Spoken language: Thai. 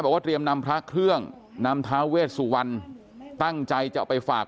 บอกว่าเตรียมนำพระเครื่องนำทาเวทสู่วันตั้งใจจะไปฝาก